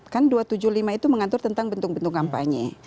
kan dua ratus tujuh puluh lima itu mengatur tentang bentuk bentuk kampanye